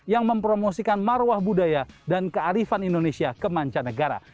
yang mempromosikan marwah budaya dan kearifan indonesia ke mancanegara